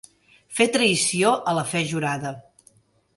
Fer traïció a la fe jurada.